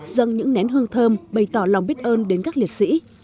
dâng những nén hương thơm bày tỏ lòng biết ơn đến các liệt sĩ